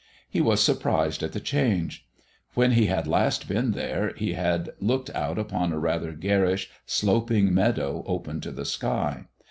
He was surprised at the change. When he had last been there he had looked out upon a rather garish, sloping meadow open to the sky.